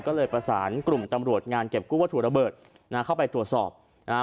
ก็เลยประสานกลุ่มตำรวจงานเก็บกู้วัตถุระเบิดนะฮะเข้าไปตรวจสอบนะฮะ